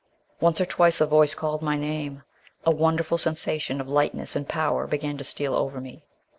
Once or twice a voice called my name. A wonderful sensation of lightness and power began to steal over me.